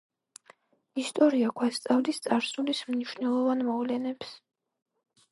ისტორია გვასწავლის წარსულის მნიშვნელოვან მოვლენებს.